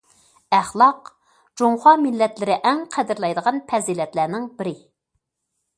ئەخلاق جۇڭخۇا مىللەتلىرى ئەڭ قەدىرلەيدىغان پەزىلەتلەرنىڭ بىرى.